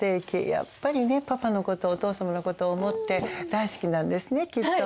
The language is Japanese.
やっぱりねパパのことお父様のことを思って大好きなんですねきっと。